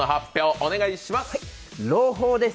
お願いします。